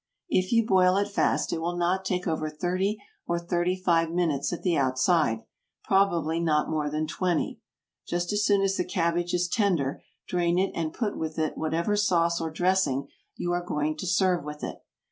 If you boil it fast it will not take over thirty or thirty five minutes at the outside, probably not more than twenty. Just as soon as the cabbage is tender drain it and put with it whatever sauce or dressing you are going to serve with it.